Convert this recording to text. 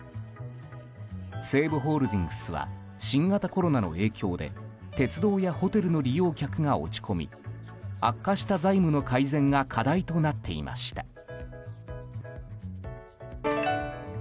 西武ホールディングスは新型コロナの影響で鉄道やホテルの利用客が落ち込み悪化した財務の改善が課題となっていました。